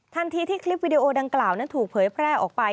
ทันทีที่คลิปวิดีโอดังกล่าวนั้นถูกเผยแพร่ออกไป